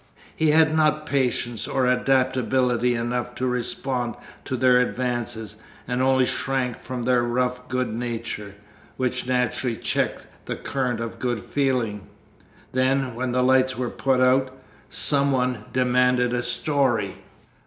He had not patience or adaptability enough to respond to their advances, and only shrank from their rough good nature which naturally checked the current of good feeling. Then, when the lights were put out, some one demanded a story.